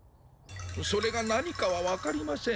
それがなにかはわかりません。